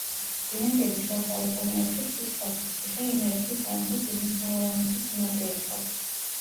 გვიანდელი შუა საუკუნეებში ცუცხვათის ციხე იმერეთის სამეფოს უმნიშვნელოვანესი სიმაგრე იყო.